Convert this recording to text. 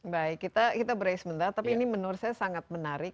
baik kita break sebentar tapi ini menurut saya sangat menarik